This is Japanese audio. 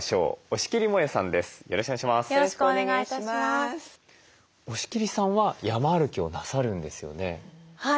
押切さんは山歩きをなさるんですよね？